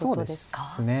そうですね。